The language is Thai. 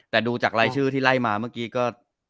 แต่ดูจากรายชื่อที่ไล่มาเมื่อกี้ก็